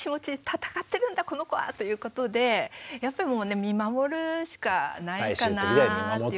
「闘ってるんだこの子は」ということでやっぱりもうね見守るしかないかなって。